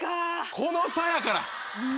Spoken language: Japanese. この差やから！